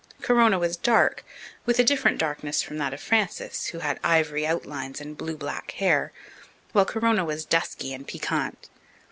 Corona was dark, with a different darkness from that of Frances, who had ivory outlines and blue black hair, while Corona was dusky and piquant.